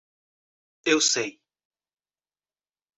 Eu sei